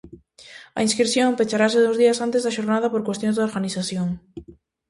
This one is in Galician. A inscrición pecharase dous días antes da xornada por cuestións de organización.